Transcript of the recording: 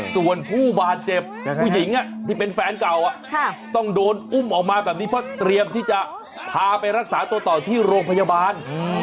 ส่วนผู้บาดเจ็บผู้หญิงที่เป็นแฟนเก่าต้องโดนอุ้มออกมาแบบนี้เพราะเตรียมที่จะพาไปรักษาตัวต่อที่โรงพยาบาล